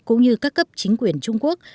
cũng như các cấp chính quyền trung quốc